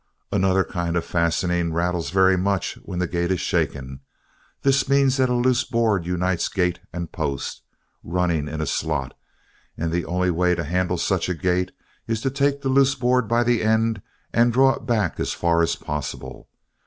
Another kind of fastening rattles very much when the gate is shaken. This means that a loose board unites gates and post, running in a slot, and the only way to handle such a gate is to take the loose board by the end and draw it back as far as possible.